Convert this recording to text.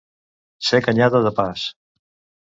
Ser canyada de pas.